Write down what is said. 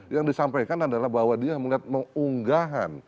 yang disampaikan adalah bahwa dia melihat mengunggahan